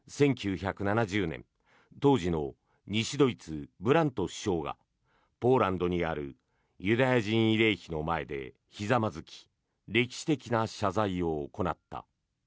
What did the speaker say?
１９７０年、当時の西ドイツ、ブラント首相がポーランドにあるユダヤ人慰霊碑の前でひざまずき歴史的な謝罪を行った。